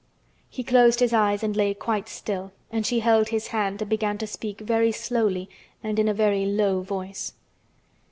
He closed his eyes and lay quite still and she held his hand and began to speak very slowly and in a very low voice.